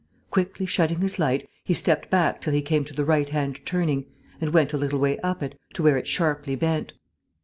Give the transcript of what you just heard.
Quickly shutting his light, he stepped back till he came to the right hand turning, and went a little way up it, to where it sharply bent.